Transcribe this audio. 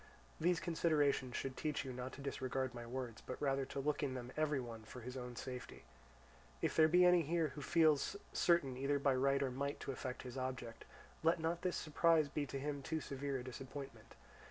These considerations should teach you not to disregard my words, but rather to look in them every one for his own safety. If there be any here who feels certain either by right or might to effect his object, let not this surprise be to him too severe a disappointment.